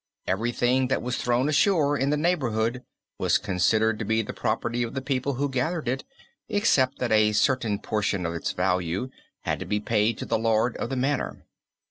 Everything that was thrown ashore in the neighborhood was considered to be the property of the people who gathered it, except that a certain portion of its value had to be paid to the Lord of the Manor.